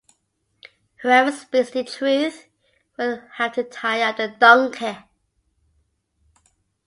Whoever speaks the truth will have to tie up the donkey.